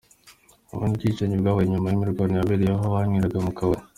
Ubwo bwicanyi bwabaye nyuma y’imirwano yabereye aho banyweraga mu kabari.